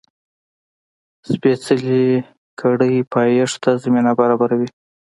سپېڅلې کړۍ پایښت ته زمینه برابروي.